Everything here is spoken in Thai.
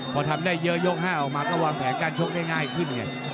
พอทำได้เยอะยก๕ออกมาก็วางแผนการชกได้ง่ายขึ้นไง